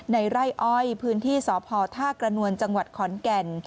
ไร่อ้อยพื้นที่สพท่ากระนวลจังหวัดขอนแก่น